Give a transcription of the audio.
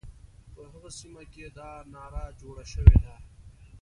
په هغه سیمه کې چې دا ناره جوړه شوې ده.